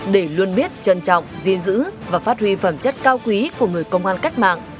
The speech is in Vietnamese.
để luôn biết trân trọng duyên giữ và phát huy phẩm chất cao quý của người công an cách mạng